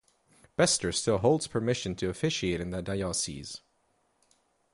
Bester still holds permission to officiate in that diocese.